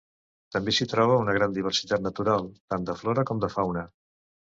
També s'hi troba una gran diversitat natural, tant de flora com de fauna.